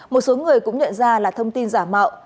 một số người cũng nhận ra là thông tin giả mạo